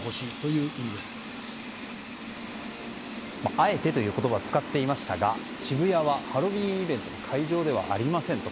あえてという言葉を使っていましたが渋谷はハロウィーンイベントの会場ではありませんと。